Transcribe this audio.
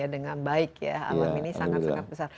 dengan baik ya